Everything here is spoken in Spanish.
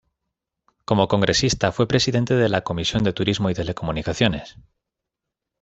Como congresista fue presidente de la Comisión de Turismo y Telecomunicaciones.